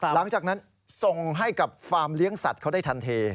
หลังจากนั้นส่งให้กับฟาร์มเลี้ยงสัตว์เขาได้ทันที